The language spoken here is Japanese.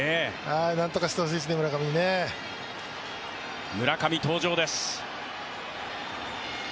何とかしてほしいですね、村上にね村上登場です。